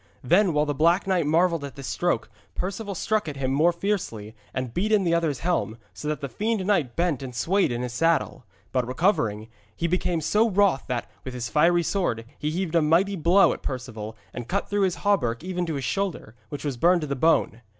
Then, while the Black Knight marvelled at this stroke, Perceval struck at him more fiercely and beat in the other's helm, so that the fiend knight bent and swayed in his saddle. But recovering, he became so wroth that, with his fiery sword, he heaved a mighty blow at Perceval, and cut through his hauberk even to the shoulder, which was burned to the bone.